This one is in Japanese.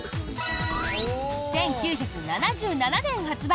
１９７７年発売。